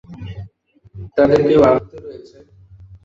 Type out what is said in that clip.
তাদের কেউ আহত রয়েছে?